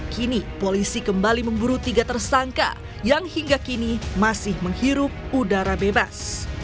kini polisi kembali memburu tiga tersangka yang hingga kini masih menghirup udara bebas